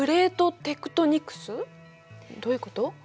どういうこと？